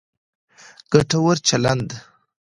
ګټور چلند